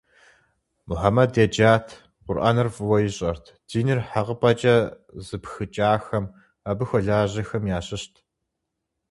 Мухьэмэд еджат, Къурӏэнр фӏыуэ ищӏэрт, диныр хьэкъыпӏэкӏэ зыпхыкӏахэм, абы хуэлажьэхэм ящыщт.